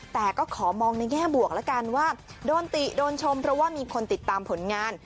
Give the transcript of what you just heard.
แต่ก็ขอมองในแง่บวกแล้วกันว่าโดนติโดนชมเพราะว่ามีคนติดตามผลงาน